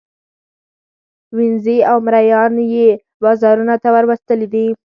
وینزې او مرییان یې بازارانو ته وروستلي دي.